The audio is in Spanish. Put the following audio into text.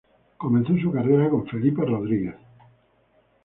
Comenzó su carrera con Felipe Rodríguez.